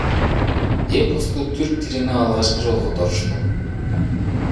Эпосту түрк тилине алгачкы жолу которушту.